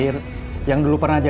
lu mau lihat lagi ya